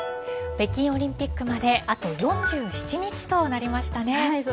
北京オリンピックまであと４７日となりました。